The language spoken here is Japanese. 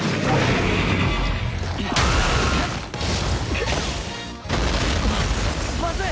あっまずい！